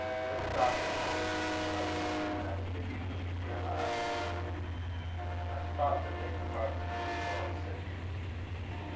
There's doctrine for ye, Mr. Sutherlan'!" added David, with a queer laugh. "I thought they could hardly be your books," said Hugh.